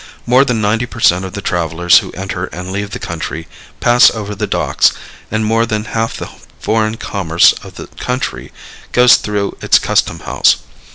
More than 90 per cent of the travelers who enter and leave the country pass over the docks, and more than half the foreign commerce of the country goes through its custom house.